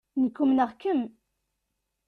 Nekk umneɣ-kem.